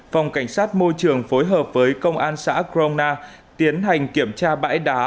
phòng cảnh sát môi trường phối hợp với công an xã grona tiến hành kiểm tra bãi đá